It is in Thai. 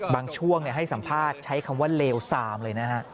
บางช่วงให้สัมภาษณ์ใช้คำว่าเลวซามเลยนะฮะ